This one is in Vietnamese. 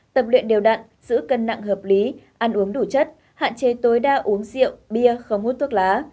tập luyện đều đặn giữ cân nặng hợp lý ăn uống đủ chất hạn chế tối đa uống rượu bia không hút thuốc lá